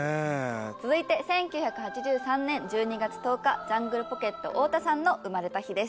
続いて１９８３年１２月１０日ジャングルポケット太田さんの生まれた日です。